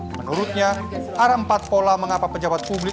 menurutnya ada empat pola mengapa pejabat publik